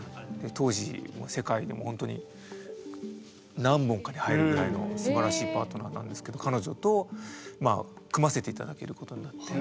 当時も世界でも本当に何本かに入るぐらいのすばらしいパートナーなんですけど彼女と組ませて頂けることになって。